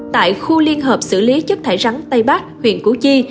tại khu liên hợp xử lý chất thải rắn tây bắc huyện củ chi